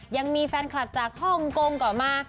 ยังมีแฟนคลับจากฮ่องกงก็มา